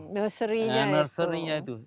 nursery nya itu